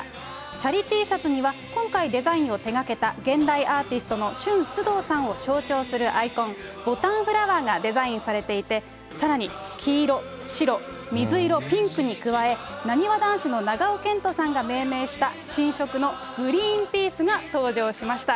チャリＴシャツには今回デザインを手がけた現代アーティストのしゅんすどうさんを象徴するアイコン、ボタンフラワーがデザインされていて、さらに黄色、白、水色、ピンクに加え、なにわ男子の長尾謙杜さんが命名した新色のグリーンピースが登場しました。